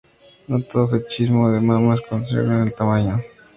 No todo fetichismo de mamas concierne al tamaño.